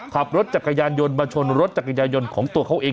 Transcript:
ขับรถจักรยานยนต์มาชนรถจักรยายนต์ของตัวเขาเอง